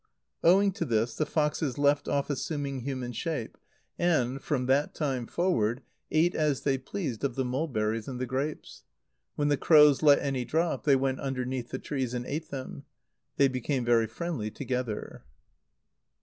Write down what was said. Owing to this, the foxes left off assuming human shape, and, from that time forward, ate as they pleased of the mulberries and the grapes. When the crows let any drop, they went underneath the trees and ate them. They became very friendly together.